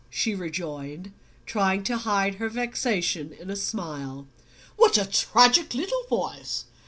she rejoined, trying to hide her vexation in a smile. "What a tragic little voice!